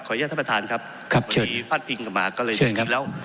ขออนุญาตท่านประทานครับตอนนี้ฟาดพิงกลับมาก็เลยได้แล้ว